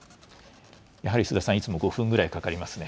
やはり須田さん、いつも５分ぐらいかかりますね。